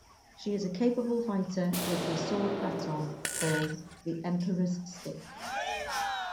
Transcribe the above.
She is a capable fighter with her sword baton, called the "Emperor's Stick".